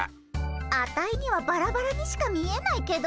アタイにはバラバラにしか見えないけどね。